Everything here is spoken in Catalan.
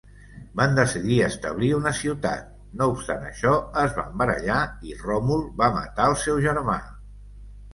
Van decidir establir una ciutat; no obstant això, es van barallar i Ròmul va matar el seu germà.